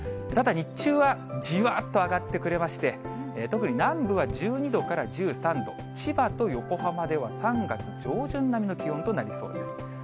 ただ、日中は、じわっと上がってくれまして、特に南部は１２度から１３度、千葉と横浜では３月上旬並みの気温となりそうです。